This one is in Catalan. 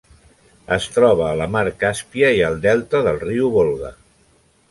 Es troba a la Mar Càspia i al delta del riu Volga.